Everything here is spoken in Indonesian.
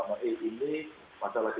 jangan kemudian kita lalai